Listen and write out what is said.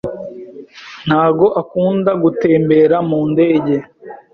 Ntabwo akunda gutembera mu ndege.